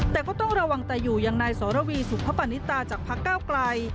แต่ก็ต้องระวังแต่อยู่อย่างนายสรวีสุภปณิตาจากพักเก้าไกล